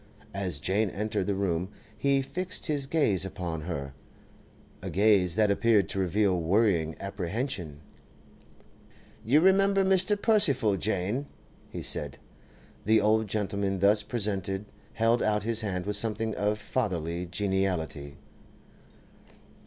As Jane entered the room he fixed his gaze upon her—a gaze that appeared to reveal worrying apprehension. 'You remember Mr. Percival, Jane,' he said. The old gentleman thus presented held out his hand with something of fatherly geniality.